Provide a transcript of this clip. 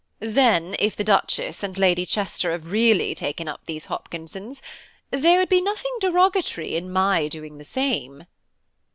"Then if the Duchess and Lady Chester have really taken up these Hopkinsons, there would be nothing derogatory in my doing the same."